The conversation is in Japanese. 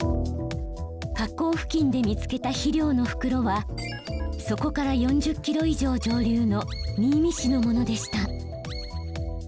河口付近で見つけた肥料の袋はそこから４０キロ以上上流の新見市のものでした。